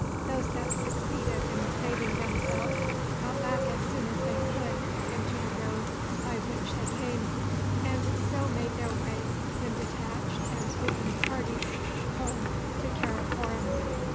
Those that succeeded in saving themselves got back as soon as they could into the road by which they came, and so made their way, in detached and open parties, home to Karakorom.